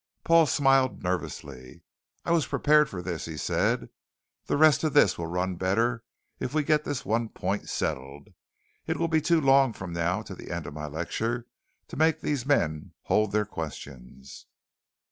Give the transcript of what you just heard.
Paul smiled nervously. "I was prepared for this," he said. "The rest of this will run better if we get this one point settled. It will be too long from now to the end of my lecture to make these men hold their questions."